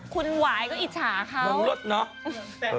คุณหวายก็อิชาเขามันลดเนาะ